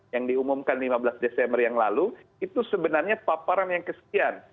yang diumumkan lima belas desember yang lalu itu sebenarnya paparan yang kesekian